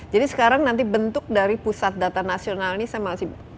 jadi sekarang nanti bentuk dari pusat data nasional ini saya masih